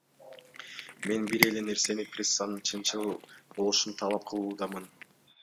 Мен бир эле нерсени, прессанын чынчыл болушун талап кылуудамын.